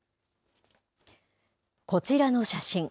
こちらの写真。